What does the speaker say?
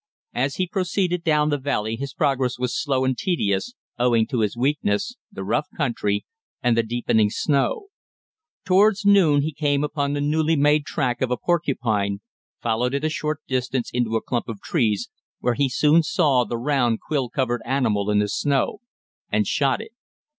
As he proceeded down the valley his progress was slow and tedious, owing to his weakness, the rough country, and the deepening snow. Towards noon he came upon the newly made track of a porcupine, followed it a short distance into a clump of trees, where he soon saw the round quill covered animal in the snow and shot it.